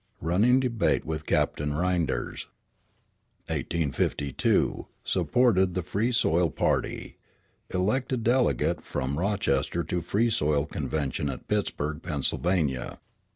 Running debate with Captain Rynders. 1852 Supported the Free Soil party. Elected delegate from Rochester to Free Soil convention at Pittsburg, Pennsylvania.